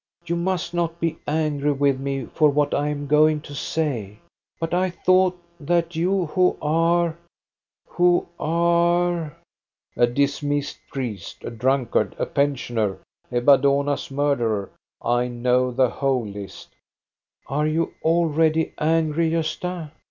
" You must not be angry with me for what I am going to say ; but I thought that you who are — who are —"" A dismissed priest, a drunkard, a pensioner, Ebba Dohna's murderer ; I know the whole list —"" Are you already angry, Gosta?"